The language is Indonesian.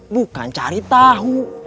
bukan cari tahu